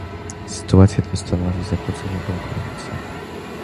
Sytuacja ta stanowi zakłócenie konkurencji